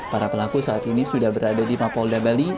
para pelaku saat ini sudah berada di mapolda bali